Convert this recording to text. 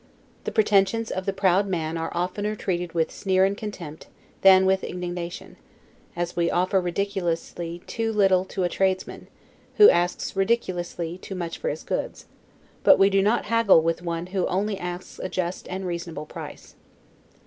The pretensions of the proud man are oftener treated with sneer and contempt, than with indignation; as we offer ridiculously too little to a tradesman, who asks ridiculously too much for his goods; but we do not haggle with one who only asks a just and reasonable price.